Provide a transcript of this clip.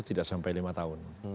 tidak sampai lima tahun